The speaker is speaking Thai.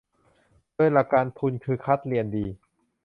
โดยหลักการทุนคือคัดเรียนดี